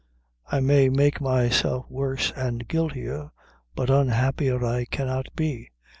I may make myself worse an' guiltier; but unhappier I cannot be.